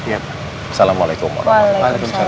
assalamualaikum warahmatullahi wabarakatuh